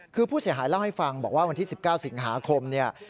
คือผู้เสียหายเล่าให้ฟังบอกว่าวันที่๑๙สิงหาคมเนี่ย